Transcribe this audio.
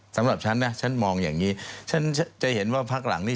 สำหรับฉันนะฉันมองอย่างนี้ฉันจะเห็นว่าพักหลังนี้